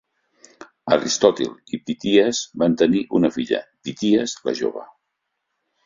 Aristòtil i Píties van tenir una filla, Píties la Jove.